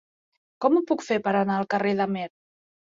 Com ho puc fer per anar al carrer d'Amer?